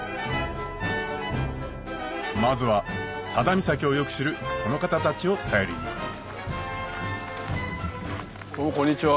まずは佐田岬をよく知るこの方たちを頼りにどうもこんにちは。